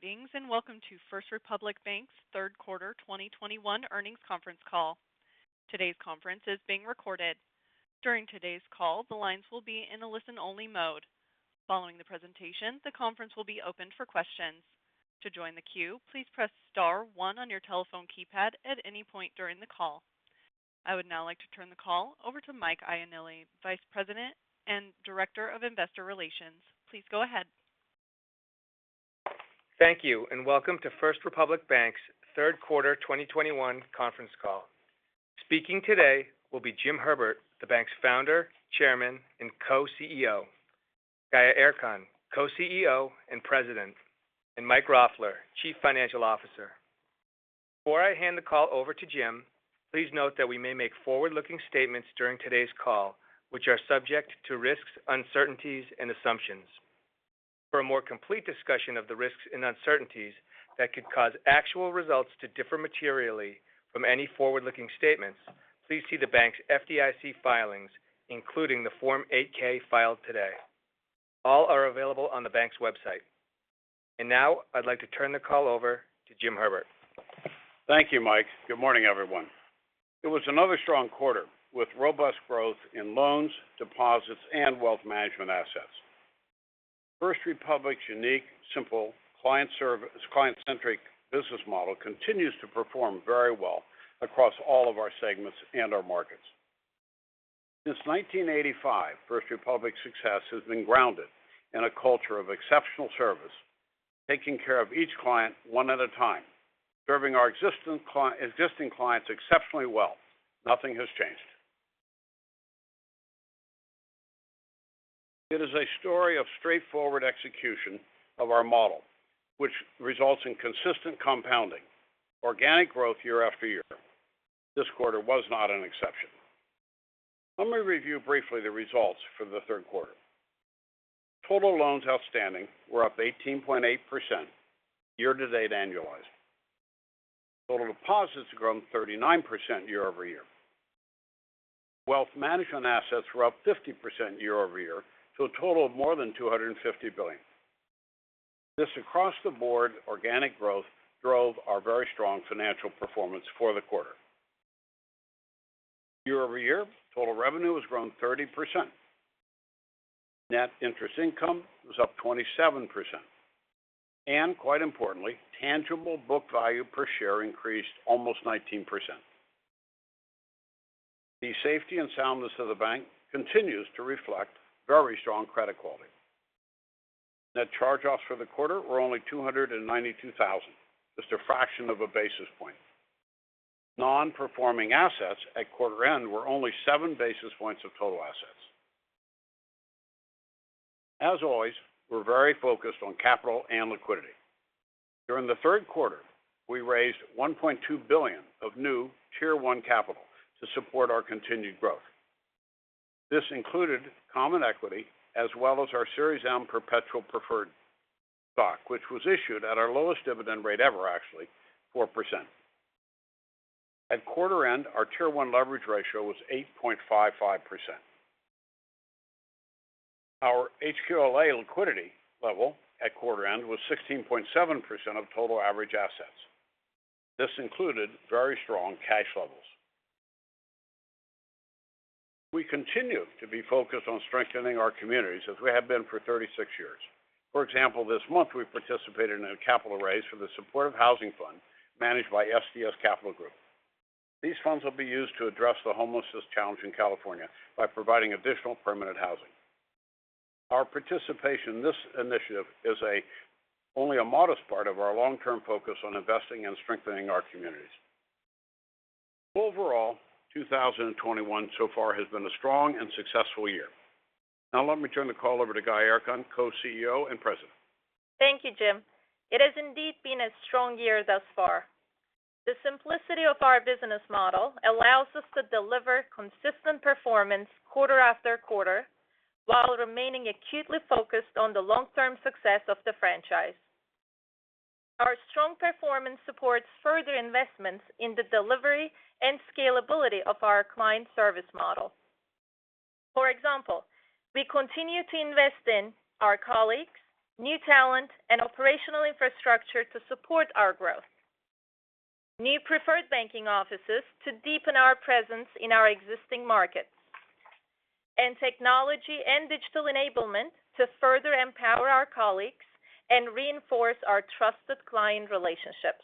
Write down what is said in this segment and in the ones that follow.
Greetings, welcome to First Republic Bank's third quarter 2021 earnings conference call. Today's conference is being recorded. During today's call, the lines will be in a listen-only mode. Following the presentation, the conference will be opened for questions. I would now like to turn the call over to Mike Ioanilli, Vice President and Director of Investor Relations. Please go ahead. Thank you, and welcome to First Republic Bank's third quarter 2021 conference call. Speaking today will be Jim Herbert, the bank's Founder, Chairman, and Co-CEO. Hafize Gaye Erkan, Co-CEO and President. Mike Roffler, Chief Financial Officer. Before I hand the call over to Jim, please note that we may make forward-looking statements during today's call, which are subject to risks, uncertainties, and assumptions. For a more complete discussion of the risks and uncertainties that could cause actual results to differ materially from any forward-looking statements, please see the bank's FDIC filings, including the Form 8-K filed today. All are available on the bank's website. Now I'd like to turn the call over to Jim Herbert. Thank you, Mike. Good morning, everyone. It was another strong quarter with robust growth in loans, deposits, and wealth management assets. First Republic's unique, simple client-centric business model continues to perform very well across all of our segments and our markets. Since 1985, First Republic's success has been grounded in a culture of exceptional service, taking care of each client one at a time, serving our existing clients exceptionally well. Nothing has changed. It is a story of straightforward execution of our model, which results in consistent compounding, organic growth year after year. This quarter was not an exception. Let me review briefly the results for the third quarter. Total loans outstanding were up 18.8% year-to-date annualized. Total deposits have grown 39% year-over-year. Wealth management assets were up 50% year-over-year to a total of more than $250 billion. This across-the-board organic growth drove our very strong financial performance for the quarter. Year-over-year, total revenue has grown 30%. Net interest income was up 27%. Quite importantly, tangible book value per share increased almost 19%. The safety and soundness of the bank continues to reflect very strong credit quality. Net charge-offs for the quarter were only $292,000, just a fraction of a basis point. Non-performing assets at quarter end were only seven basis points of total assets. As always, we're very focused on capital and liquidity. During the third quarter, we raised $1.2 billion of new Tier 1 capital to support our continued growth. This included common equity as well as our Series M perpetual preferred stock, which was issued at our lowest dividend rate ever, actually, 4%. At quarter end, our Tier 1 leverage ratio was 8.55%. Our HQLA liquidity level at quarter end was 16.7% of total average assets. This included very strong cash levels. We continue to be focused on strengthening our communities as we have been for 36 years. For example, this month, we participated in a capital raise for the SDS Supportive Housing Fund managed by SDS Capital Group. These funds will be used to address the homelessness challenge in California by providing additional permanent housing. Our participation in this initiative is only a modest part of our long-term focus on investing and strengthening our communities. Overall, 2021 so far has been a strong and successful year. Now let me turn the call over to Gaye Erkan, Co-CEO and President. Thank you, Jim. It has indeed been a strong year thus far. The simplicity of our business model allows us to deliver consistent performance quarter after quarter while remaining acutely focused on the long-term success of the franchise. Our strong performance supports further investments in the delivery and scalability of our client service model. For example, we continue to invest in our colleagues, new talent, and operational infrastructure to support our growth. New preferred banking offices to deepen our presence in our existing markets. Technology and digital enablement to further empower our colleagues and reinforce our trusted client relationships.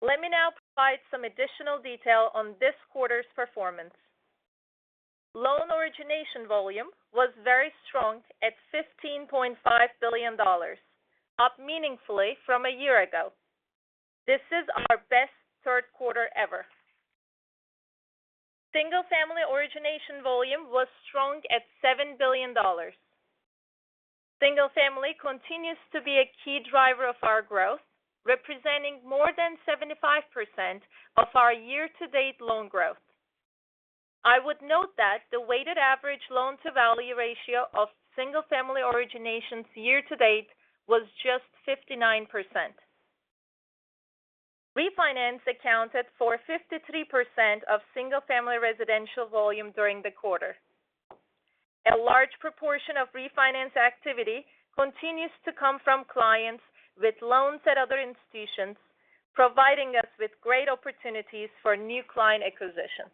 Let me now provide some additional detail on this quarter's performance. Loan origination volume was very strong at $15.5 billion, up meaningfully from one year ago. This is our best third quarter ever. Single-family origination volume was strong at $7 billion. Single-family continues to be a key driver of our growth, representing more than 75% of our year-to-date loan growth. I would note that the weighted average loan-to-value ratio of single-family originations year to date was just 59%. Refinance accounted for 53% of single-family residential volume during the quarter. A large proportion of refinance activity continues to come from clients with loans at other institutions, providing us with great opportunities for new client acquisition.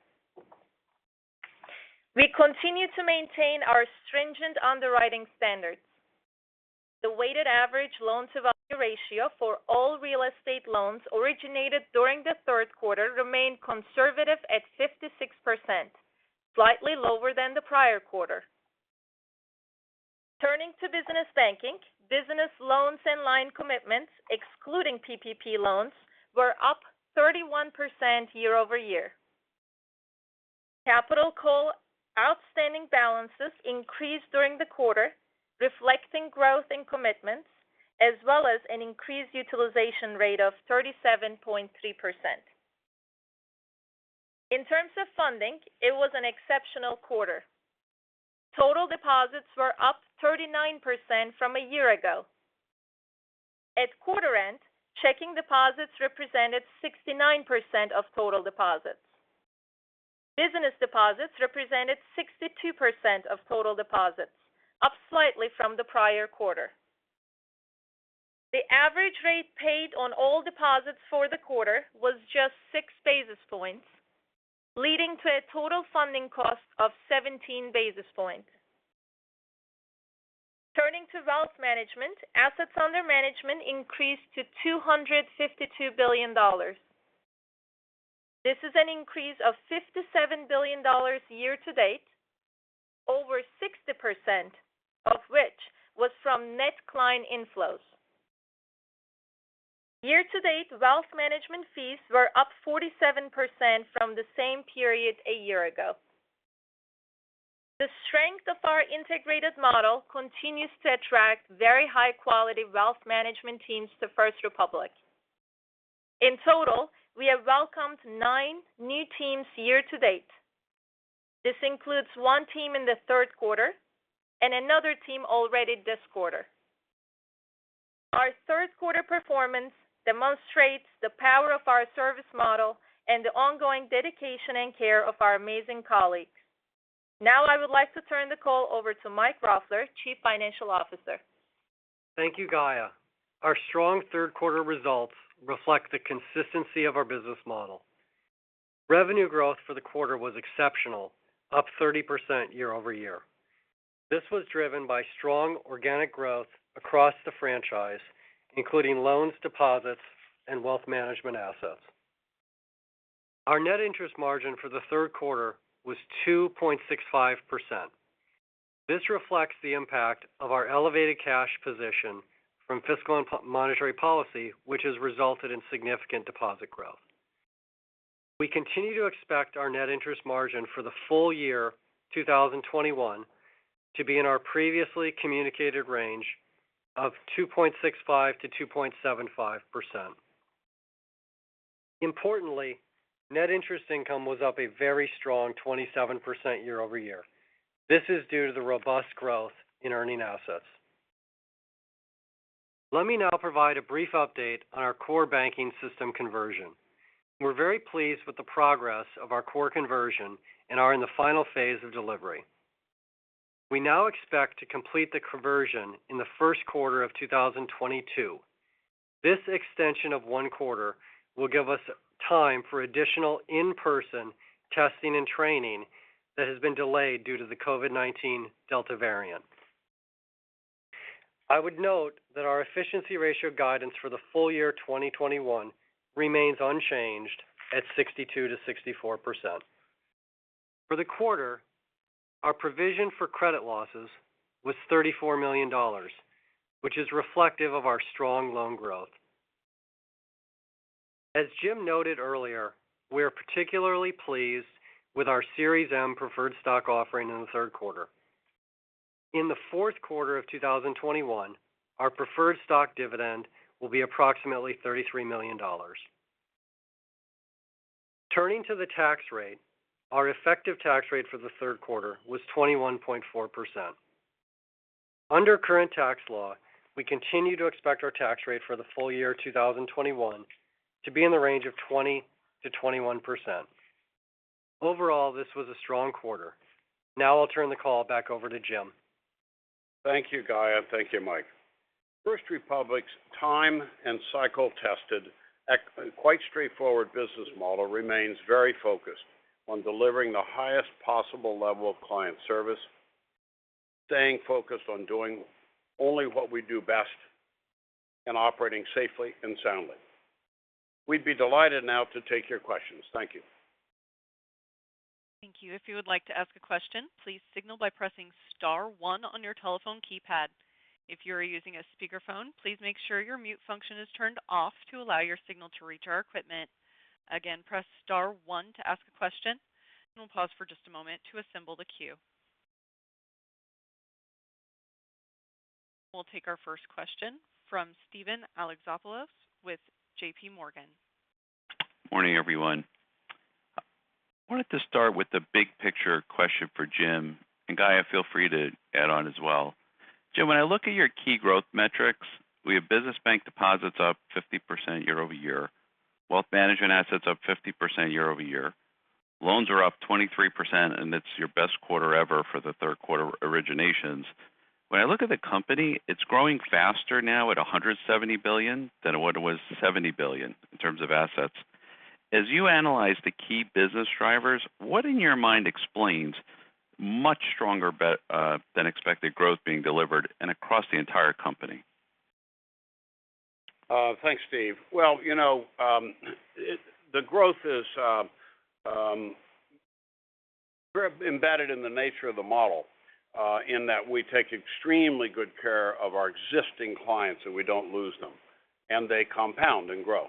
We continue to maintain our stringent underwriting standards. The weighted average loan-to-value ratio for all real estate loans originated during the third quarter remained conservative at 56%, slightly lower than the prior quarter. Turning to business banking, business loans and line commitments, excluding PPP loans, were up 31% year over year. Capital call outstanding balances increased during the quarter, reflecting growth in commitments as well as an increased utilization rate of 37.3%. In terms of funding, it was an exceptional quarter. Total deposits were up 39% from a year ago. At quarter end, checking deposits represented 69% of total deposits. Business deposits represented 62% of total deposits, up slightly from the prior quarter. The average rate paid on all deposits for the quarter was just 6 basis points, leading to a total funding cost of 17 basis points. Turning to wealth management, assets under management increased to $252 billion. This is an increase of $57 billion year to date, over 60% of which was from net client inflows. Year to date, wealth management fees were up 47% from the same period a year ago. The strength of our integrated model continues to attract very high-quality wealth management teams to First Republic. In total, we have welcomed nine new teams year to date. This includes one team in the third quarter and another team already this quarter. Our third quarter performance demonstrates the power of our service model and the ongoing dedication and care of our amazing colleagues. Now I would like to turn the call over to Mike Roffler, Chief Financial Officer. Thank you, Gaye. Our strong third quarter results reflect the consistency of our business model. Revenue growth for the quarter was exceptional, up 30% year-over-year. This was driven by strong organic growth across the franchise, including loans, deposits, and wealth management assets. Our net interest margin for the third quarter was 2.65%. This reflects the impact of our elevated cash position from fiscal and monetary policy, which has resulted in significant deposit growth. We continue to expect our net interest margin for the full year 2021 to be in our previously communicated range of 2.65%-2.75%. Importantly, net interest income was up a very strong 27% year-over-year. This is due to the robust growth in earning assets. Let me now provide a brief update on our core banking system conversion. We're very pleased with the progress of our core conversion and are in the final phase of delivery. We now expect to complete the conversion in the first quarter of 2022. This extension of one quarter will give us time for additional in-person testing and training that has been delayed due to the COVID-19 Delta variant. I would note that our efficiency ratio guidance for the full year 2021 remains unchanged at 62%-64%. For the quarter, our provision for credit losses was $34 million, which is reflective of our strong loan growth. As Jim noted earlier, we are particularly pleased with our Series M preferred stock offering in the third quarter. In the fourth quarter of 2021, our preferred stock dividend will be approximately $33 million. Turning to the tax rate, our effective tax rate for the third quarter was 21.4%. Under current tax law, we continue to expect our tax rate for the full year 2021 to be in the range of 20%-21%. Overall, this was a strong quarter. Now I'll turn the call back over to Jim. Thank you, Gaye. Thank you, Mike. First Republic's time and cycle-tested, quite straightforward business model remains very focused on delivering the highest possible level of client service, staying focused on doing only what we do best, and operating safely and soundly. We'd be delighted now to take your questions. Thank you. Thank you. If you would like to ask a question, please signal by pressing star one on your telephone keypad. If you are using a speakerphone, please make sure your mute function is turned off to allow your signal to reach our equipment. Again, press star one to ask a question. We'll pause for just a moment to assemble the queue. We'll take our first question from Steven Alexopoulos with JPMorgan. Morning, everyone. I wanted to start with the big picture question for Jim, and Gaye feel free to add on as well. Jim Herbert, when I look at your key growth metrics, we have business bank deposits up 50% year-over-year, wealth management assets up 50% year-over-year. Loans are up 23%. It's your best quarter ever for the third quarter originations. When I look at the company, it's growing faster now at $170 billion than it was $70 billion in terms of assets. As you analyze the key business drivers, what in your mind explains much stronger than expected growth being delivered and across the entire company? Thanks, Steve. Well, the growth is embedded in the nature of the model in that we take extremely good care of our existing clients, we don't lose them. They compound and grow,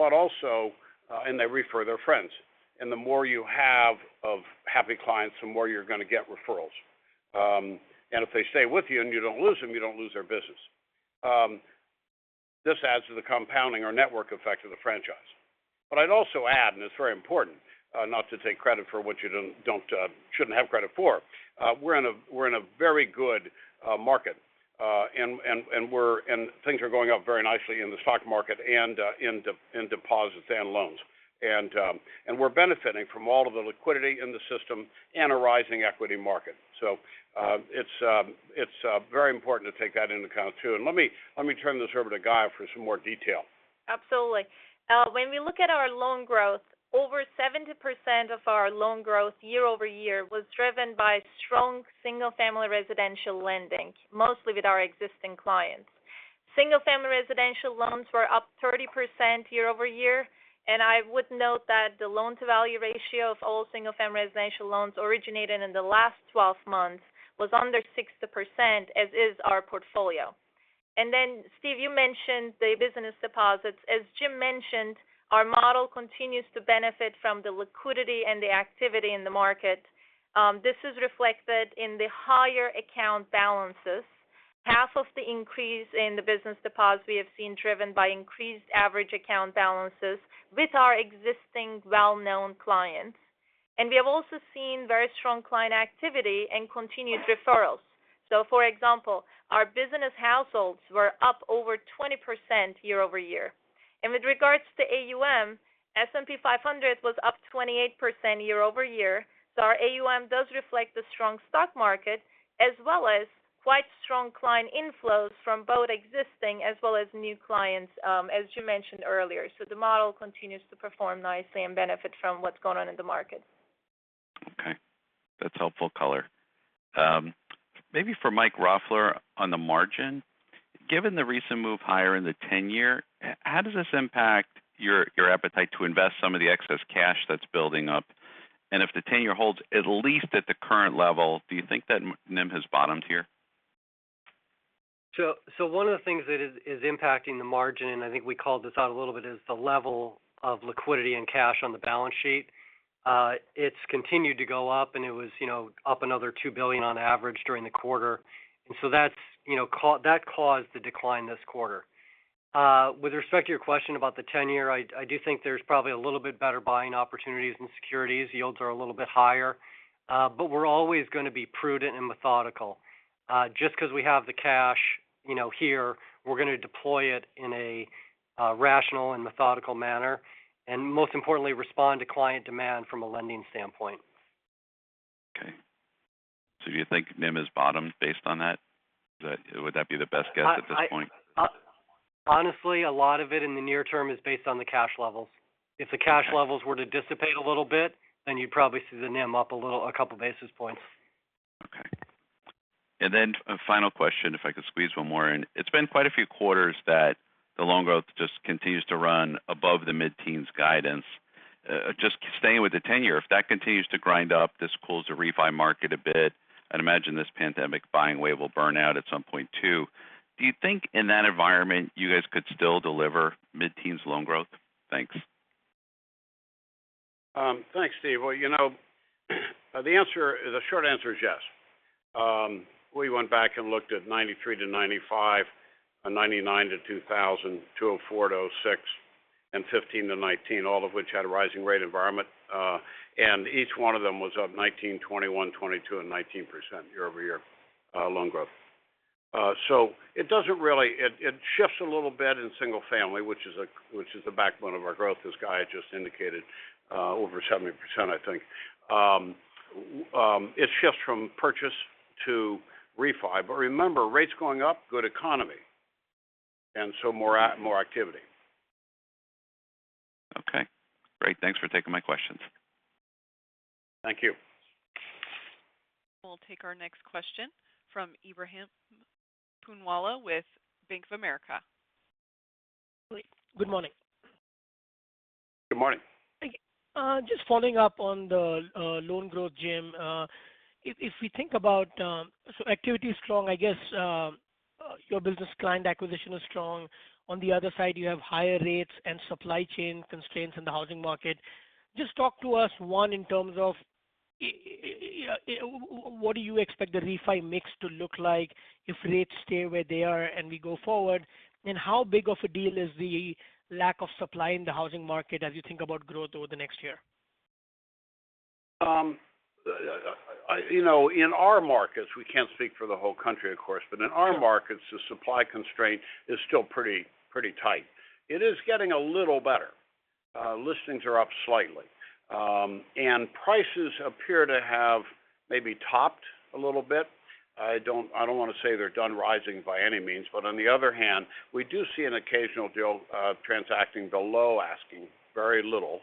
and they refer their friends. The more you have of happy clients, the more you're going to get referrals. If they stay with you and you don't lose them, you don't lose their business. This adds to the compounding or network effect of the franchise. I'd also add, and it's very important not to take credit for what you shouldn't have credit for. We're in a very good market. Things are going up very nicely in the stock market and in deposits and loans. We're benefiting from all of the liquidity in the system and a rising equity market. It's very important to take that into account, too. Let me turn this over to Gaye for some more detail. Absolutely. When we look at our loan growth, over 70% of our loan growth year-over-year was driven by strong single-family residential lending, mostly with our existing clients. Single-family residential loans were up 30% year-over-year, I would note that the loan-to-value ratio of all single-family residential loans originated in the last 12 months was under 60%, as is our portfolio. Steve, you mentioned the business deposits. As Jim mentioned, our model continues to benefit from the liquidity and the activity in the market. This is reflected in the higher account balances. Half of the increase in the business deposits we have seen driven by increased average account balances with our existing well-known clients. We have also seen very strong client activity and continued referrals. For example, our business households were up over 20% year-over-year. With regards to AUM, S&P 500 was up 28% year-over-year. Our AUM does reflect the strong stock market as well as quite strong client inflows from both existing as well as new clients as Jim mentioned earlier. The model continues to perform nicely and benefit from what's going on in the market. Okay. That's helpful color. Maybe for Mike Roffler on the margin. Given the recent move higher in the 10-year, how does this impact your appetite to invest some of the excess cash that's building up? If the 10-year holds at least at the current level, do you think that NIM has bottomed here? One of the things that is impacting the margin, I think we called this out a little bit, is the level of liquidity and cash on the balance sheet. It's continued to go up, and it was up another $2 billion on average during the quarter. That caused the decline this quarter. With respect to your question about the 10-year, I do think there's probably a little bit better buying opportunities in securities. Yields are a little bit higher. We're always going to be prudent and methodical. Just because we have the cash here, we're going to deploy it in a rational and methodical manner, and most importantly, respond to client demand from a lending standpoint. Okay. Do you think NIM has bottomed based on that? Would that be the best guess at this point? Honestly, a lot of it in the near term is based on the cash levels. Okay. If the cash levels were to dissipate a little bit, you'd probably see the NIM up a little, a couple basis points. Okay. A final question, if I could squeeze one more in. It's been quite a few quarters that the loan growth just continues to run above the mid-teens guidance. Just staying with the 10-year, if that continues to grind up, this cools the refi market a bit, I'd imagine this pandemic buying wave will burn out at some point, too. Do you think in that environment you guys could still deliver mid-teens loan growth? Thanks. Thanks, Steven. Well, the short answer is yes. We went back and looked at 1993 to 1995, 1999 to 2000, 2004 to 2006, and 2015 to 2019, all of which had a rising rate environment. Each one of them was up 19%, 21%, 22%, and 19% year-over-year loan growth. It shifts a little bit in single-family, which is the backbone of our growth, as Gaye just indicated, over 70%, I think. Remember, rates going up, good economy, and so more activity. Okay. Great. Thanks for taking my questions. Thank you. We'll take our next question from Ebrahim Poonawala with Bank of America. Good morning. Good morning. Thank you. Just following up on the loan growth, Jim. Activity is strong. I guess your business client acquisition is strong. On the other side, you have higher rates and supply chain constraints in the housing market. Just talk to us, one, in terms of What do you expect the refi mix to look like if rates stay where they are and we go forward? How big of a deal is the lack of supply in the housing market as you think about growth over the next year? In our markets, we can't speak for the whole country, of course, but in our markets, the supply constraint is still pretty tight. It is getting a little better. Listings are up slightly. Prices appear to have maybe topped a little bit. I don't want to say they're done rising by any means. On the other hand, we do see an occasional deal transacting below asking, very little.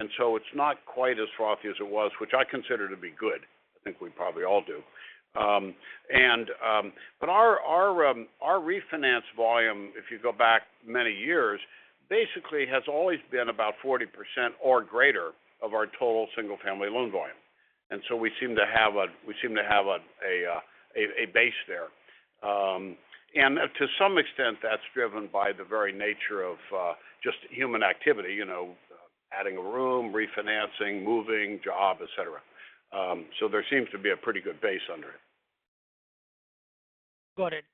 It's not quite as frothy as it was, which I consider to be good. I think we probably all do. Our refinance volume, if you go back many years, basically has always been about 40% or greater of our total single-family loan volume. We seem to have a base there. To some extent, that's driven by the very nature of just human activity, adding a room, refinancing, moving, job, et cetera. There seems to be a pretty good base under it. Got it.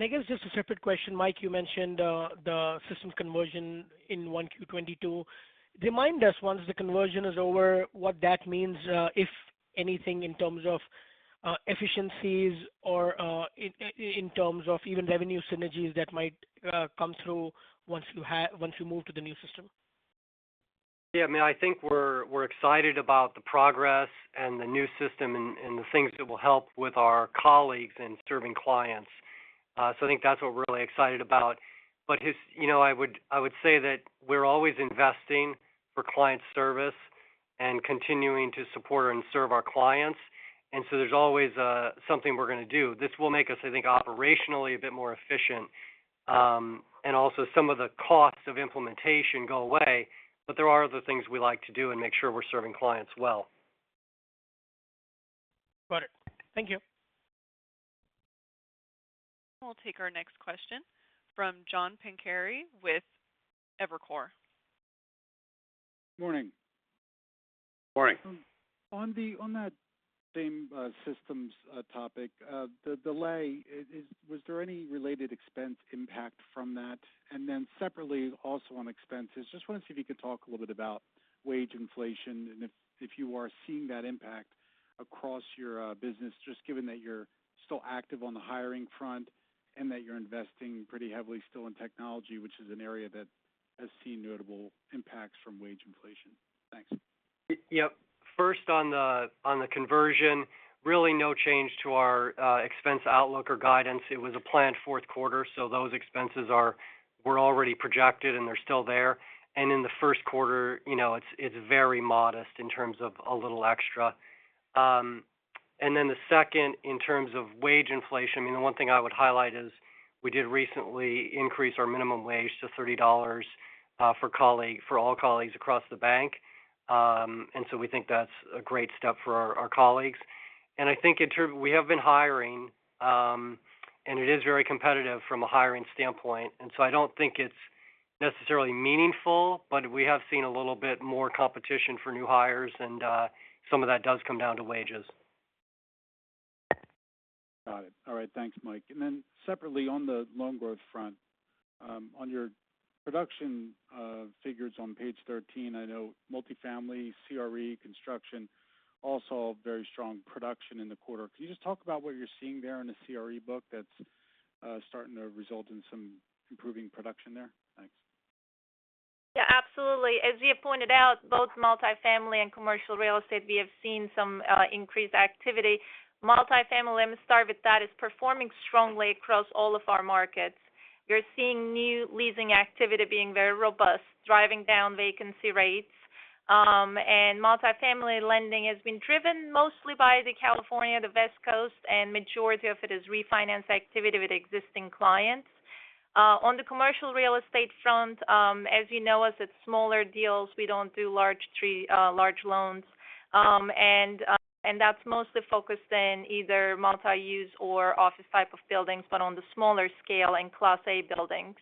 I guess just a separate question. Mike, you mentioned the system conversion in 1Q 2022. Remind us once the conversion is over what that means, if anything, in terms of efficiencies or in terms of even revenue synergies that might come through once you move to the new system. Yeah. I think we're excited about the progress and the new system and the things that will help with our colleagues in serving clients. I think that's what we're really excited about. I would say that we're always investing for client service and continuing to support and serve our clients. There's always something we're going to do. This will make us, I think, operationally a bit more efficient. Some of the costs of implementation go away. There are other things we like to do and make sure we're serving clients well. Got it. Thank you. We'll take our next question from John Pancari with Evercore. Morning. Morning. On that same systems topic, the delay, was there any related expense impact from that? Separately, also on expenses, just want to see if you could talk a little bit about wage inflation and if you are seeing that impact across your business, just given that you're still active on the hiring front and that you're investing pretty heavily still in technology, which is an area that has seen notable impacts from wage inflation. Thanks. Yep. First on the conversion, really no change to our expense outlook or guidance. It was a planned fourth quarter, so those expenses were already projected, and they're still there. In the first quarter, it's very modest in terms of a little extra. The second, in terms of wage inflation, the one thing I would highlight is we did recently increase our minimum wage to $30 for all colleagues across the bank. We think that's a great step for our colleagues. I think we have been hiring, and it is very competitive from a hiring standpoint. I don't think it's necessarily meaningful, but we have seen a little bit more competition for new hires, and some of that does come down to wages. Got it. All right. Thanks, Mike. Separately on the loan growth front, on your production figures on page 13, I know multifamily, CRE, construction, also very strong production in the quarter. Can you just talk about what you're seeing there in the CRE book that's starting to result in some improving production there? Thanks. Yeah, absolutely. As you pointed out, both multifamily and commercial real estate, we have seen some increased activity. Multifamily, let me start with that, is performing strongly across all of our markets. You're seeing new leasing activity being very robust, driving down vacancy rates. Multifamily lending has been driven mostly by the California, the West Coast, and majority of it is refinance activity with existing clients. On the commercial real estate front, as you know, as it's smaller deals, we don't do large loans. That's mostly focused in either multi-use or office type of buildings, but on the smaller scale and class A buildings.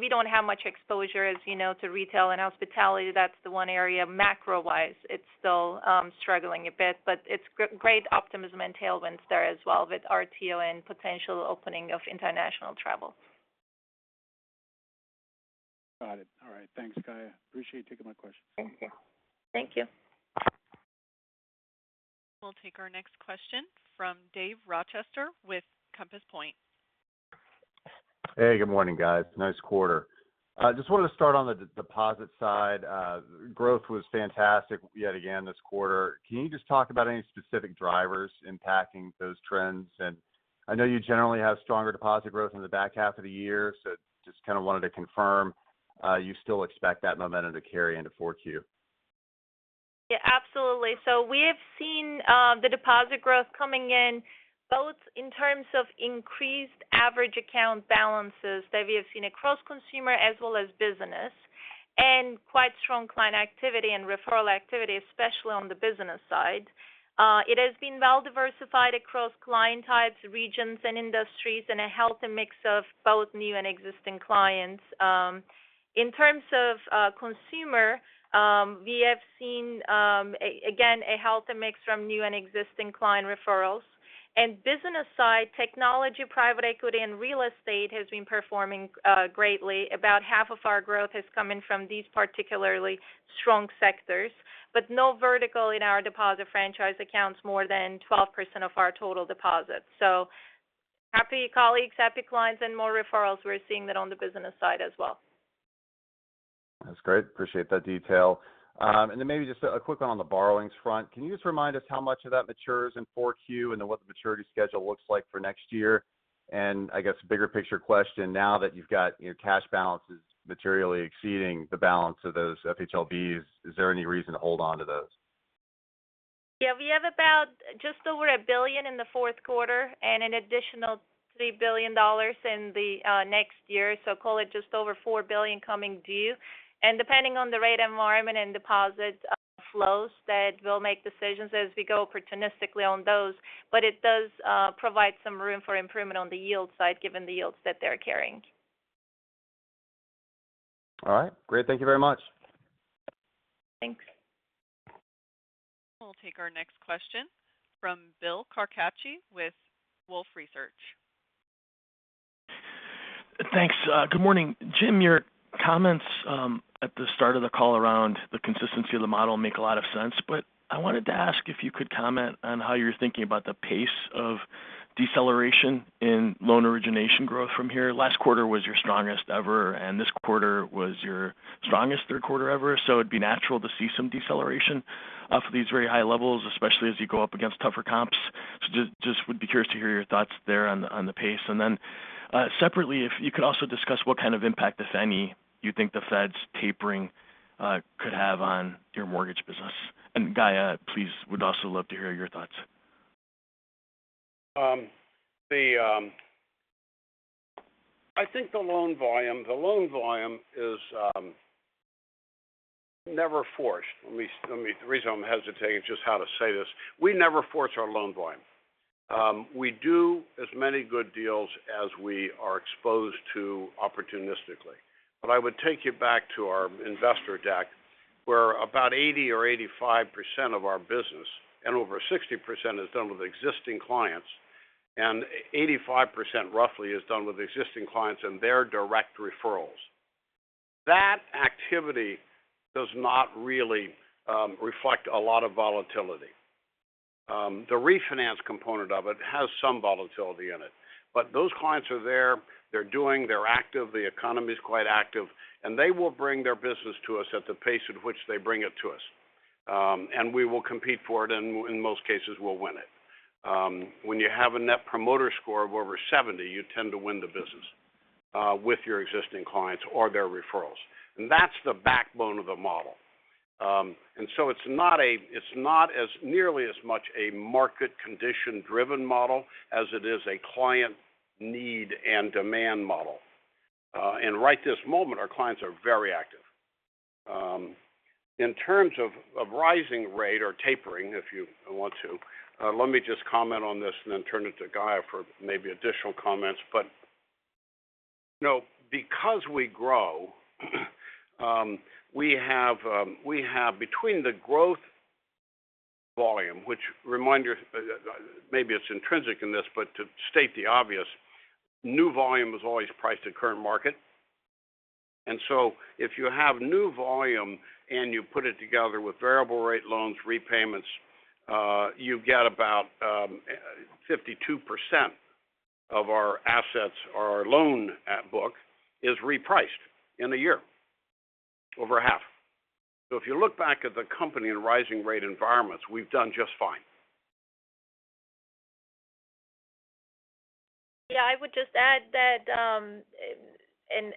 We don't have much exposure, as you know, to retail and hospitality. That's the one area macro-wise it's still struggling a bit. It's great optimism and tailwinds there as well with RTO and potential opening of international travel. Got it. All right. Thanks, Gaye. Appreciate you taking my questions. Thank you. Thank you. We'll take our next question from Dave Rochester with Compass Point. Hey, good morning, guys. Nice quarter. Just wanted to start on the deposit side. Growth was fantastic yet again this quarter. Can you just talk about any specific drivers impacting those trends? I know you generally have stronger deposit growth in the back half of the year, so just kind of wanted to confirm you still expect that momentum to carry into 4Q. Yeah, absolutely. We have seen the deposit growth coming in both in terms of increased average account balances that we have seen across consumer as well as business, and quite strong client activity and referral activity, especially on the business side. It has been well diversified across client types, regions, and industries, and a healthy mix of both new and existing clients. In terms of consumer, we have seen, again, a healthy mix from new and existing client referrals. Business side, technology, private equity, and real estate has been performing greatly. About half of our growth has come in from these particularly strong sectors, but no vertical in our deposit franchise accounts more than 12% of our total deposits. Happy colleagues, happy clients, and more referrals. We're seeing that on the business side as well. That's great. Appreciate that detail. Maybe just a quick one on the borrowings front. Can you just remind us how much of that matures in 4Q, and then what the maturity schedule looks like for next year? I guess a bigger picture question, now that you've got your cash balances materially exceeding the balance of those FHLBs, is there any reason to hold on to those? Yeah. We have about just over $1 billion in the fourth quarter and an additional $3 billion in the next year, so call it just over $4 billion coming due. Depending on the rate environment and deposit flows that we'll make decisions as we go opportunistically on those. It does provide some room for improvement on the yield side, given the yields that they're carrying. All right. Great. Thank you very much. Thanks. We'll take our next question from Bill Carcache with Wolfe Research. Thanks. Good morning. Jim, your comments at the start of the call around the consistency of the model make a lot of sense, but I wanted to ask if you could comment on how you're thinking about the pace of deceleration in loan origination growth from here. Last quarter was your strongest ever, and this quarter was your strongest third quarter ever. It'd be natural to see some deceleration off of these very high levels, especially as you go up against tougher comps. Just would be curious to hear your thoughts there on the pace. Then separately, if you could also discuss what kind of impact, if any, you think the Fed's tapering could have on your mortgage business. Gaye, please, would also love to hear your thoughts. I think the loan volume is never forced. The reason I'm hesitating is just how to say this. We never force our loan volume. We do as many good deals as we are exposed to opportunistically. I would take you back to our investor deck, where about 80% or 85% of our business and over 60% is done with existing clients, and 85% roughly is done with existing clients and their direct referrals. That activity does not really reflect a lot of volatility. The refinance component of it has some volatility in it. Those clients are there, they're doing, they're active, the economy's quite active, and they will bring their business to us at the pace at which they bring it to us. We will compete for it, and in most cases, we'll win it. When you have a Net Promoter Score of over 70, you tend to win the business with your existing clients or their referrals. That's the backbone of the model. It's not nearly as much a market condition-driven model as it is a client need and demand model. Right this moment, our clients are very active. In terms of rising rate or tapering, if you want to, let me just comment on this and then turn it to Gaye for maybe additional comments. Because we grow, we have between the growth volume, which maybe it's intrinsic in this, but to state the obvious, new volume is always priced at current market. If you have new volume and you put it together with variable rate loans, repayments, you get about 52% of our assets or our loan book is repriced in a year. Over half. If you look back at the company in rising rate environments, we've done just fine. Yeah, I would just add that in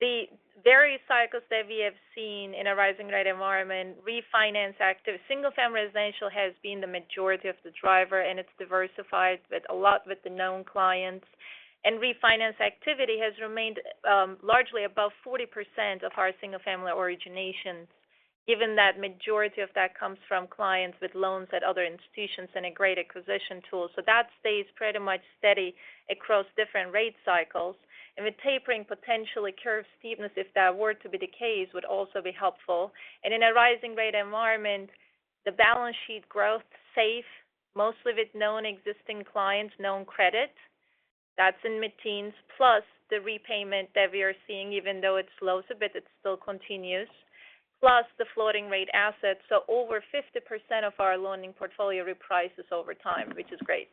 the various cycles that we have seen in a rising rate environment, refinance activity, single-family residential has been the majority of the driver, and it's diversified a lot with the known clients. Refinance activity has remained largely above 40% of our single-family originations, given that majority of that comes from clients with loans at other institutions and a great acquisition tool. That stays pretty much steady across different rate cycles. With tapering potentially curbed, even if that were to be the case, would also be helpful. In a rising rate environment, the balance sheet growth safe, mostly with known existing clients, known credit. That's in mid-teens. Plus the repayment that we are seeing, even though it slows a bit, it still continues. Plus the floating rate assets. Over 50% of our loan portfolio reprices over time, which is great.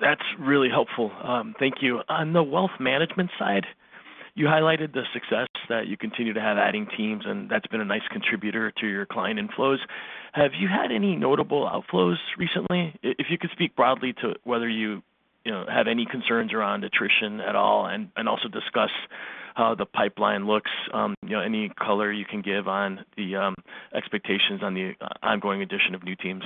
That's really helpful. Thank you. On the wealth management side, you highlighted the success that you continue to have adding teams, and that's been a nice contributor to your client inflows. Have you had any notable outflows recently? If you could speak broadly to whether you have any concerns around attrition at all, and also discuss how the pipeline looks. Any color you can give on the expectations on the ongoing addition of new teams?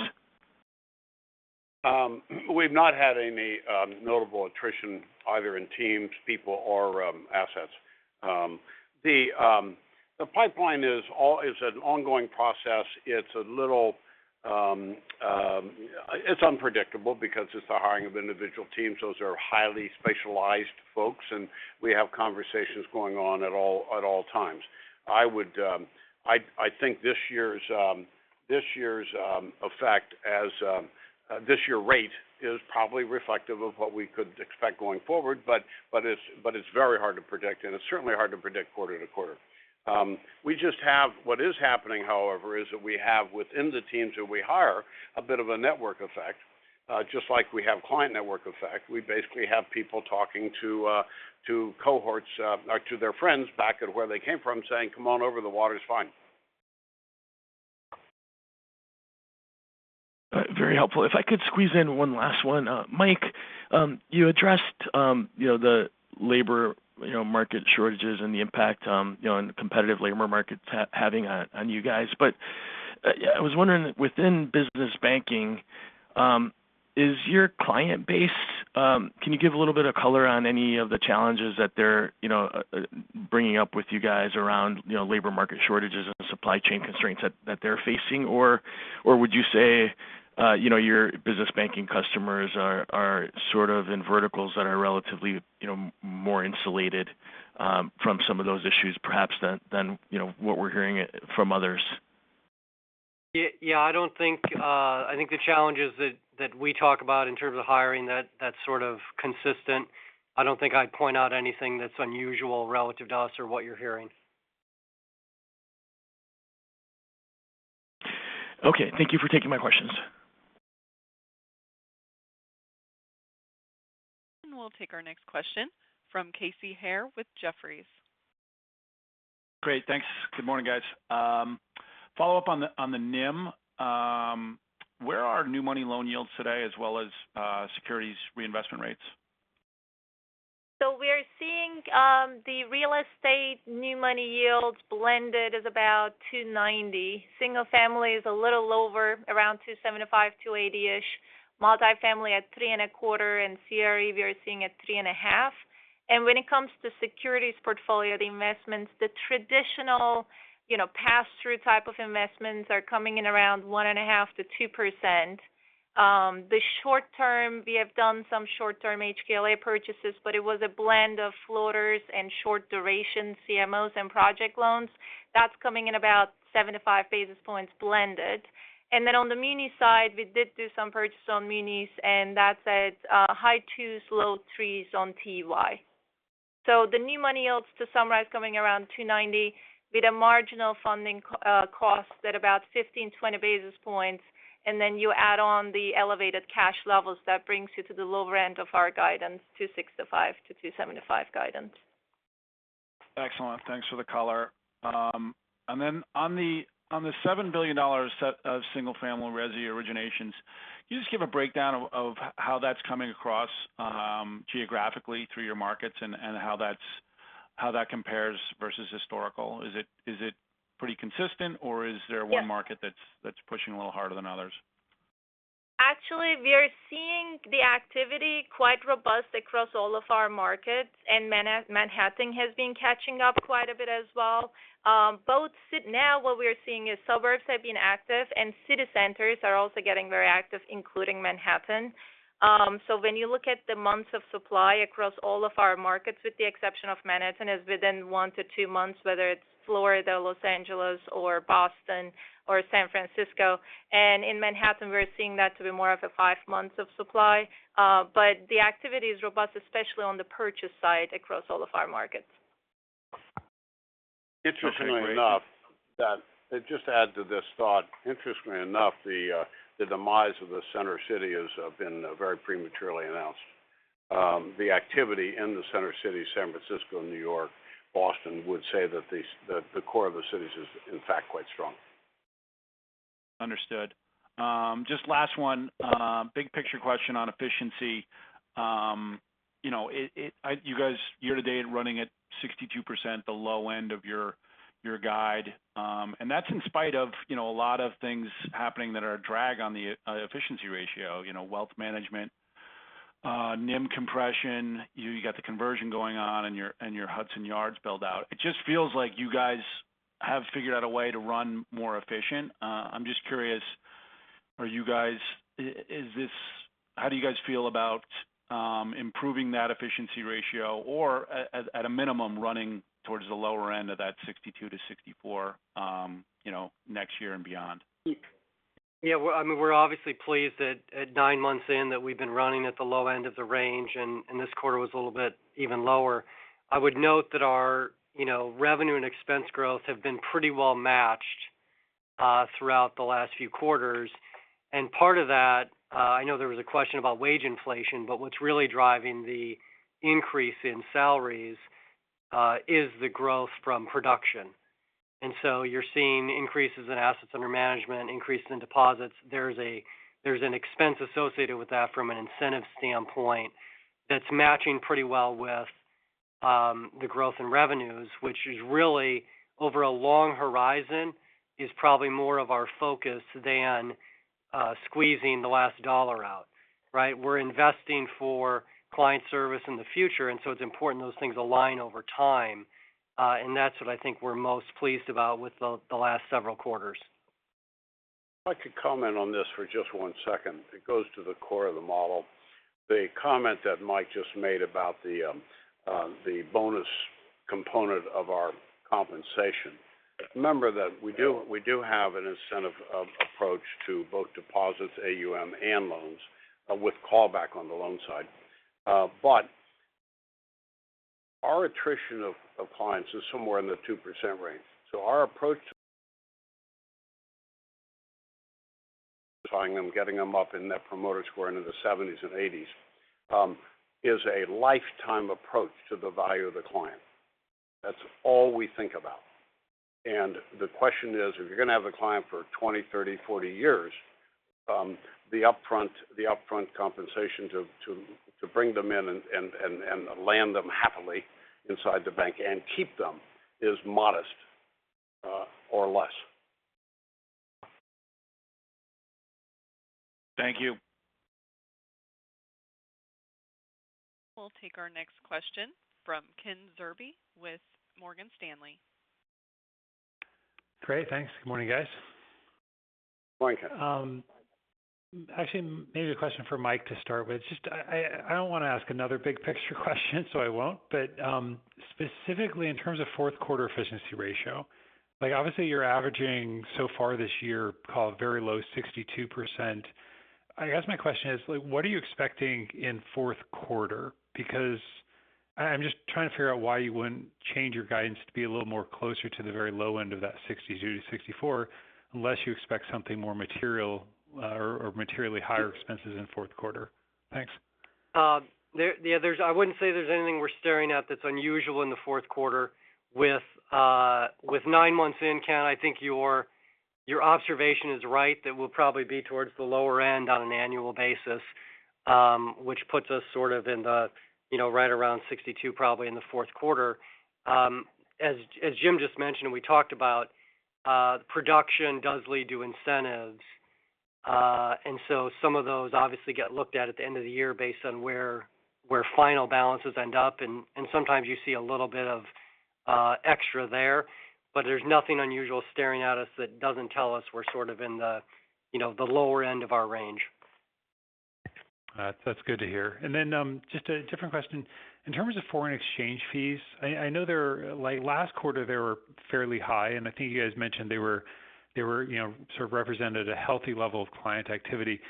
We've not had any notable attrition either in teams, people, or assets. The pipeline is an ongoing process. It's unpredictable because it's the hiring of individual teams. Those are highly specialized folks, and we have conversations going on at all times. I think this year's effect this year rate is probably reflective of what we could expect going forward, but it's very hard to predict, and it's certainly hard to predict quarter to quarter. What is happening, however, is that we have within the teams who we hire, a bit of a network effect. Just like we have client network effect. We basically have people talking to cohorts or to their friends back at where they came from saying, "Come on over, the water's fine. Very helpful. If I could squeeze in one last one. Mike, you addressed the labor market shortages and the impact on the competitive labor market having on you guys. I was wondering within business banking, is your client base, can you give a little bit of color on any of the challenges that they're bringing up with you guys around labor market shortages and supply chain constraints that they're facing? Would you say your business banking customers are sort of in verticals that are relatively more insulated from some of those issues perhaps than what we're hearing from others? Yeah. I think the challenges that we talk about in terms of hiring that's sort of consistent. I don't think I'd point out anything that's unusual relative to us or what you're hearing. Okay. Thank you for taking my questions. We'll take our next question from Casey Haire with Jefferies. Great. Thanks. Good morning, guys. Follow up on the NIM. Where are new money loan yields today as well as securities reinvestment rates? We're seeing the real estate new money yields blended is about 2.90%. Single family is a little lower, around 2.75%-2.80%. Multifamily at 3.25%, CRE, we are seeing at 3.5%. When it comes to securities portfolio, the investments, the traditional pass-through type of investments are coming in around 1.5%-2%. The short term, we have done some short-term HQLA purchases, it was a blend of floaters and short duration CMOs and project loans. That's coming in about 75 basis points blended. On the muni side, we did do some purchase on munis, that's at high 2s, low 3s on TEY. The new money yields, to summarize, coming around 2.90% with a marginal funding cost at about 15-20 basis points. You add on the elevated cash levels, that brings you to the lower end of our guidance, $265-$275 guidance. Excellent. Thanks for the color. On the $7 billion of single-family resi originations, can you just give a breakdown of how that's coming across geographically through your markets and how that compares versus historical? Is it pretty consistent, or is there one market that's pushing a little harder than others? Actually, we are seeing the activity quite robust across all of our markets, and Manhattan has been catching up quite a bit as well. Both now what we are seeing is suburbs have been active and city centers are also getting very active, including Manhattan. When you look at the months of supply across all of our markets, with the exception of Manhattan, is within 1-2 months, whether it's Florida, Los Angeles or Boston or San Francisco. In Manhattan, we're seeing that to be more of a five months of supply. The activity is robust, especially on the purchase side, across all of our markets. Interestingly enough, just add to this thought. Interestingly enough, the demise of the Center City has been very prematurely announced. The activity in the Center City, San Francisco, New York, Boston, would say that the core of the cities is, in fact, quite strong. Understood. Just last one. Big picture question on efficiency. You guys year-to-date running at 62%, the low end of your guide. That's in spite of a lot of things happening that are a drag on the efficiency ratio. Wealth management, NIM compression. You got the conversion going on and your Hudson Yards build-out. It just feels like you guys have figured out a way to run more efficient. I'm just curious, how do you guys feel about improving that efficiency ratio or at a minimum, running towards the lower end of that 62%-64% next year and beyond? Yeah. We're obviously pleased that at nine months in, that we've been running at the low end of the range, and this quarter was a little bit even lower. I would note that our revenue and expense growth have been pretty well matched throughout the last few quarters. Part of that, I know there was a question about wage inflation, but what's really driving the increase in salaries is the growth from production. You're seeing increases in assets under management, increases in deposits. There's an expense associated with that from an incentive standpoint that's matching pretty well with the growth in revenues, which is really over a long horizon, is probably more of our focus than squeezing the last dollar out. We're investing for client service in the future, and so it's important those things align over time. That's what I think we're most pleased about with the last several quarters. If I could comment on this for just one second. It goes to the core of the model. The comment that Mike just made about the bonus component of our compensation. Remember that we do have an incentive approach to both deposits, AUM, and loans with callback on the loan side. Our attrition of clients is somewhere in the 2% range. Our approach to acquiring them, getting them up in their promoter score into the 70s and 80s, is a lifetime approach to the value of the client. That's all we think about. The question is, if you're going to have a client for 20, 30, 40 years, the upfront compensation to bring them in and land them happily inside the bank and keep them is modest or less. Thank you. We'll take our next question from Ken Zerbe with Morgan Stanley. Great. Thanks. Good morning, guys. Morning, Ken. Actually, maybe a question for Mike to start with. I don't want to ask another big-picture question, so I won't. Specifically in terms of fourth quarter efficiency ratio, obviously you're averaging so far this year call it very low 62%. I guess my question is what are you expecting in fourth quarter? I'm just trying to figure out why you wouldn't change your guidance to be a little more closer to the very low end of that 62%-64%, unless you expect something more material or materially higher expenses in fourth quarter. Thanks. Yeah. I wouldn't say there's anything we're staring at that's unusual in the fourth quarter. With 9 months in, Ken, I think your observation is right, that we'll probably be towards the lower end on an annual basis, which puts us sort of right around 62% probably in the fourth quarter. As Jim just mentioned, we talked about production does lead to incentives. Some of those obviously get looked at at the end of the year based on where final balances end up, and sometimes you see a little bit of extra there. There's nothing unusual staring at us that doesn't tell us we're sort of in the lower end of our range. That's good to hear. Then just a different question. In terms of foreign exchange fees, I know last quarter they were fairly high, and I think you guys mentioned they sort of represented a healthy level of client activity.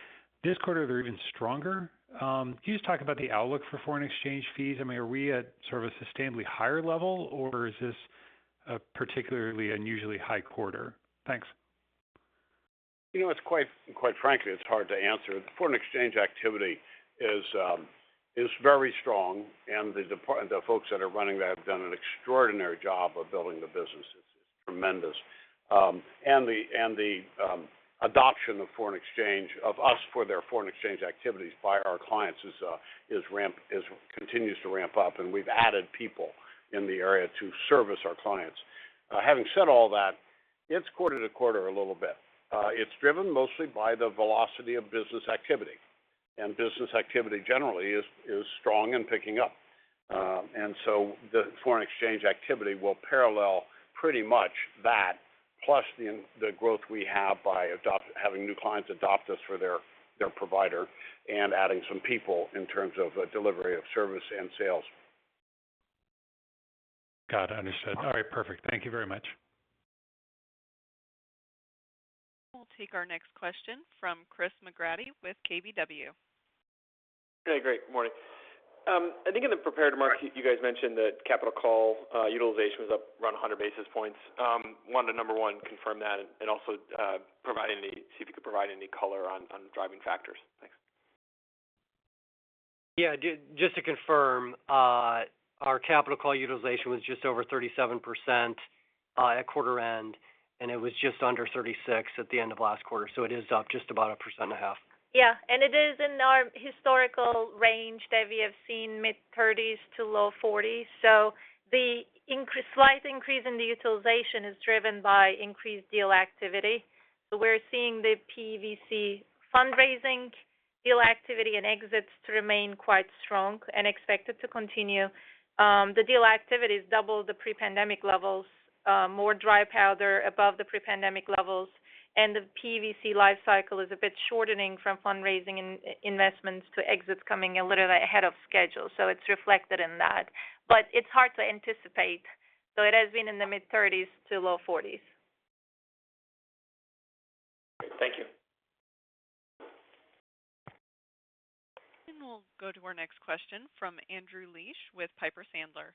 This quarter, they're even stronger. Can you just talk about the outlook for foreign exchange fees? Are we at sort of a sustainably higher level, or is this a particularly unusually high quarter? Thanks. Quite frankly, it's hard to answer. Foreign exchange activity is very strong, and the folks that are running that have done an extraordinary job of building the business. It's tremendous. The adoption of foreign exchange, of us for their foreign exchange activities by our clients continues to ramp up, and we've added people in the area to service our clients. Having said all that, it's quarter to quarter a little bit. It's driven mostly by the velocity of business activity. Business activity generally is strong and picking up. The foreign exchange activity will parallel pretty much that, plus the growth we have by having new clients adopt us for their provider and adding some people in terms of delivery of service and sales. Got it. Understood. All right. Perfect. Thank you very much. We'll take our next question from Christopher McGratty with KBW. Okay, great. Morning. I think in the prepared remarks, you guys mentioned that capital call utilization was up around 100 basis points. I wanted to, number one, confirm that and also see if you could provide any color on driving factors. Thanks. Yeah. Just to confirm, our capital call utilization was just over 37% at quarter end, and it was just under 36% at the end of last quarter. It is up just about 1.5%. Yeah. It is in our historical range that we have seen mid-30s to low 40s. The slight increase in the utilization is driven by increased deal activity. We're seeing the PE/VC fundraising deal activity and exits to remain quite strong and expect it to continue. The deal activity is double the pre-pandemic levels. More dry powder above the pre-pandemic levels. The PE/VC life cycle is a bit shortening from fundraising and investments to exits coming a little bit ahead of schedule. It's reflected in that. It's hard to anticipate. It has been in the mid-30s to low 40s. Great. Thank you. We'll go to our next question from Andrew Liesch with Piper Sandler.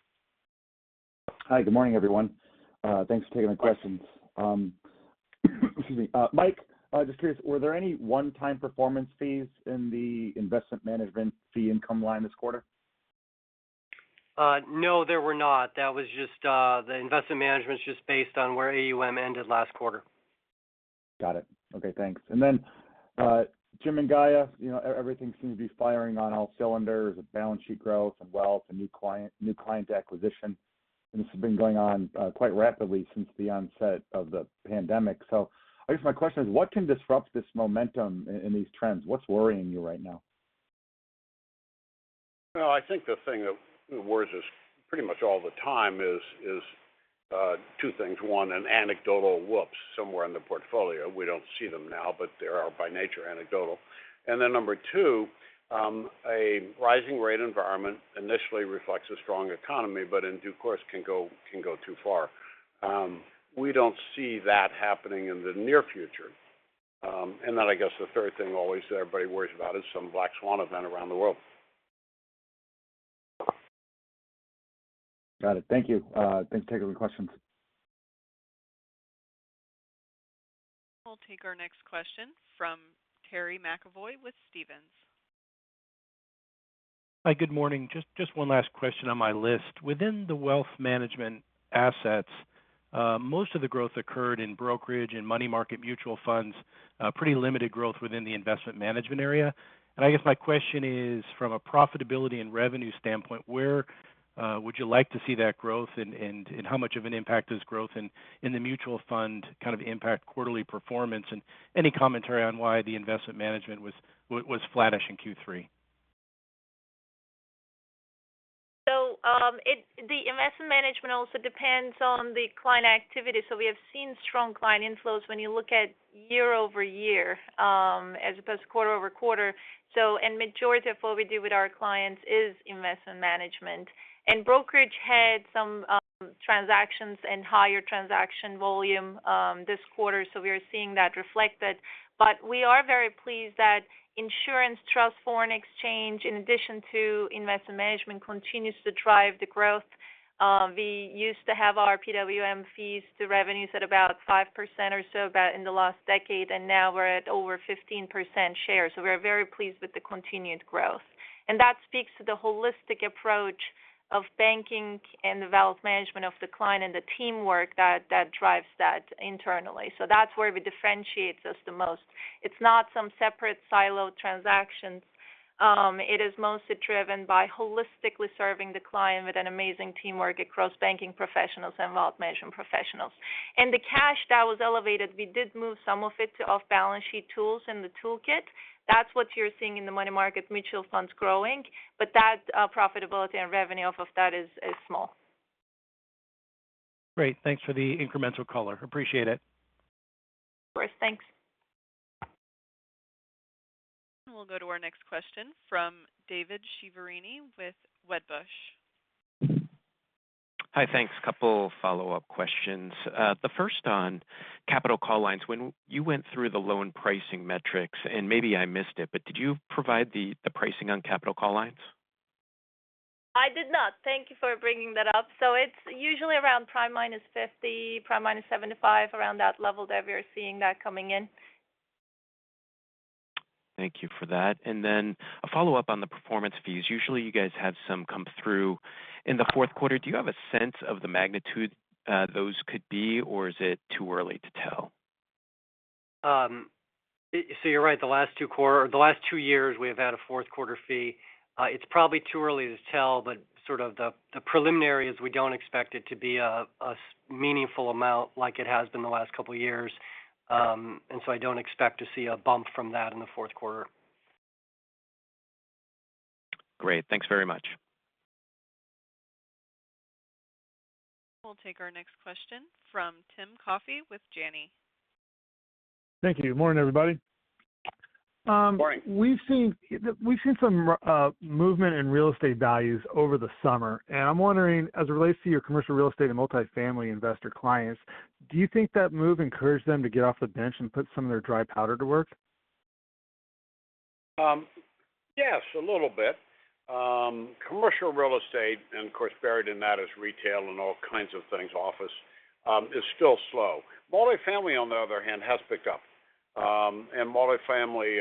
Hi. Good morning, everyone. Thanks for taking the questions. Excuse me. Mike, just curious, were there any one-time performance fees in the investment management fee income line this quarter? No, there were not. The investment management's just based on where AUM ended last quarter. Got it. Okay, thanks. Jim and Gaye, everything seems to be firing on all cylinders. Balance sheet growth and wealth and new client acquisition. This has been going on quite rapidly since the onset of the pandemic. I guess my question is, what can disrupt this momentum and these trends? What's worrying you right now? Well, I think the thing that worries us pretty much all the time is two things. One, an anecdotal whoops somewhere in the portfolio. We don't see them now, but they are by nature anecdotal. Number two, a rising rate environment initially reflects a strong economy, but in due course can go too far. We don't see that happening in the near future. I guess the third thing always everybody worries about is some black swan event around the world. Got it. Thank you. Thanks for taking the question. We'll take our next question from Terry McEvoy with Stephens. Hi, good morning. Just one last question on my list. Within the wealth management assets, most of the growth occurred in brokerage and money market mutual funds. Pretty limited growth within the investment management area. I guess my question is, from a profitability and revenue standpoint, where would you like to see that growth, and how much of an impact does growth in the mutual fund kind of impact quarterly performance? Any commentary on why the investment management was flattish in Q3? The investment management also depends on the client activity. We have seen strong client inflows when you look at year-over-year as opposed to quarter-over-quarter. Majority of what we do with our clients is investment management. Brokerage had some transactions and higher transaction volume this quarter, so we are seeing that reflected. We are very pleased that insurance, trust, foreign exchange, in addition to investment management, continues to drive the growth. We used to have our PWM fees to revenues at about 5% or so about in the last decade, and now we're at over 15% share. We're very pleased with the continued growth. That speaks to the holistic approach of banking and the wealth management of the client and the teamwork that drives that internally. That's where it differentiates us the most. It's not some separate siloed transactions. It is mostly driven by holistically serving the client with an amazing teamwork across banking professionals and wealth management professionals. The cash that was elevated, we did move some of it to off-balance-sheet tools in the toolkit. That's what you're seeing in the money market mutual funds growing, but that profitability and revenue off of that is small. Great. Thanks for the incremental color. Appreciate it. Of course. Thanks. We'll go to our next question from David Chiaverini with Wedbush. Hi. Thanks. Couple follow-up questions. The first on capital call lines. When you went through the loan pricing metrics, and maybe I missed it, but did you provide the pricing on capital call lines? I did not. Thank you for bringing that up. It's usually around prime minus 50, prime minus 75, around that level that we're seeing that coming in. Thank you for that. A follow-up on the performance fees. Usually, you guys have some come through in the fourth quarter. Do you have a sense of the magnitude those could be, or is it too early to tell? You're right. The last two years, we have had a fourth quarter fee. It's probably too early to tell, but sort of the preliminary is we don't expect it to be a meaningful amount like it has been the last couple of years. I don't expect to see a bump from that in the fourth quarter. Great. Thanks very much. We'll take our next question from Timothy Coffey with Janney. Thank you. Morning, everybody. Morning. We've seen some movement in real estate values over the summer, and I'm wondering, as it relates to your commercial real estate and multifamily investor clients, do you think that move encouraged them to get off the bench and put some of their dry powder to work? Yes, a little bit. Commercial real estate, and of course, buried in that is retail and all kinds of things, office, is still slow. Multifamily, on the other hand, has picked up. Multifamily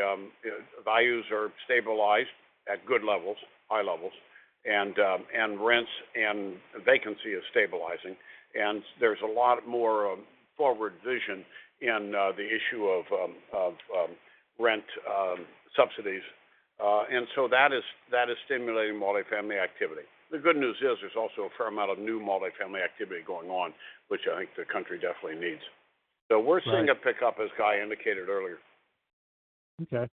values are stabilized at good levels, high levels. Rents and vacancy is stabilizing. There's a lot more forward vision in the issue of rent subsidies. That is stimulating multifamily activity. The good news is there's also a fair amount of new multifamily activity going on, which I think the country definitely needs. We're seeing a pickup, as Gaye indicated earlier. Okay.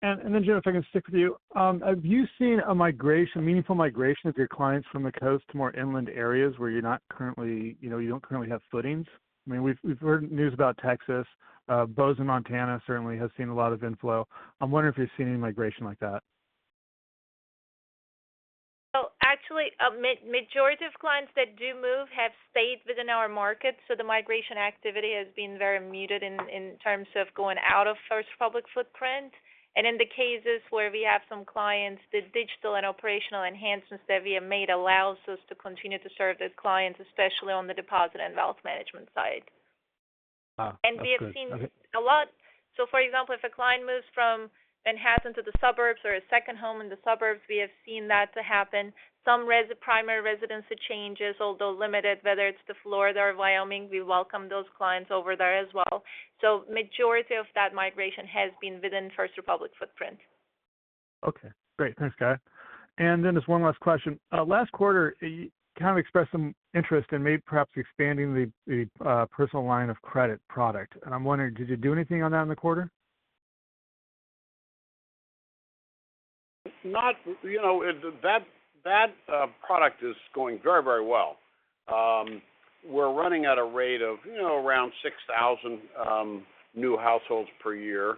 Then, Gaye, if I can stick with you, have you seen a meaningful migration of your clients from the coast to more inland areas where you don't currently have footings? I mean, we've heard news about Texas. Bozeman, Montana certainly has seen a lot of inflow. I'm wondering if you're seeing any migration like that? Actually, a majority of clients that do move have stayed within our market. The migration activity has been very muted in terms of going out of First Republic footprint. In the cases where we have some clients, the digital and operational enhancements that we have made allows us to continue to serve those clients, especially on the deposit and wealth management side. That's good. Okay. We have seen a lot. For example, if a client moves from Manhattan to the suburbs or a second home in the suburbs, we have seen that to happen. Some primary residency changes, although limited, whether it's to Florida or Wyoming, we welcome those clients over there as well. The majority of that migration has been within First Republic footprint. Okay, great. Thanks, Gaye. Just one last question. Last quarter, you kind of expressed some interest in maybe perhaps expanding the personal line of credit product. I'm wondering, did you do anything on that in the quarter? That product is going very, very well. We're running at a rate of around 6,000 new households per year.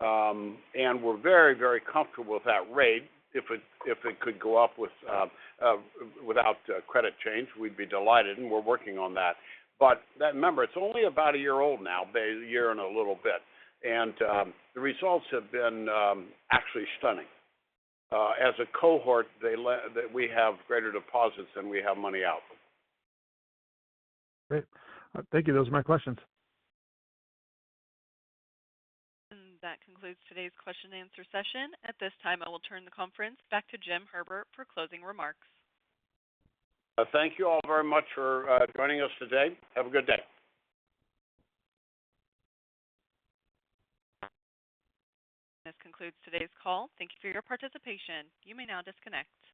We're very, very comfortable with that rate. If it could go up without credit change, we'd be delighted, and we're working on that. Remember, it's only about a year old now, a year and a little bit. The results have been actually stunning. As a cohort, we have greater deposits than we have money out. Great. Thank you. Those are my questions. That concludes today's question and answer session. At this time, I will turn the conference back to Jim Herbert for closing remarks. Thank you all very much for joining us today. Have a good day. This concludes today's call. Thank you for your participation. You may now disconnect.